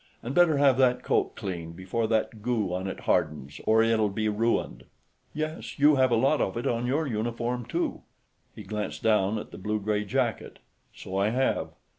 And better have that coat cleaned, before that goo on it hardens, or it'll be ruined." "Yes. You have a lot of it on your uniform, too." He glanced down at the blue gray jacket. "So I have.